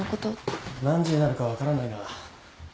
何時になるか分からないな。